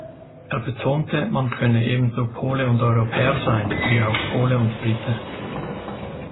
Er betonte, man könne ebenso Pole und Europäer sein wie auch Pole und Brite.